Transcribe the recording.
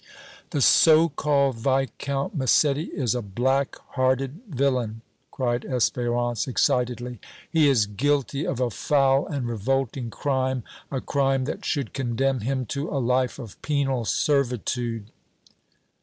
"The so called Viscount Massetti is a black hearted villain!" cried Espérance, excitedly. "He is guilty of a foul and revolting crime, a crime that should condemn him to a life of penal servitude!"